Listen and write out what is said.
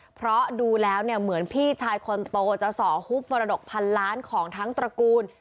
เพราะดูแล้วเนี่ยเหมือนพี่ชายคนโตจะส่อฮุบมรดกพันล้านของทั้งตระกูล